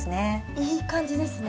いい感じですね。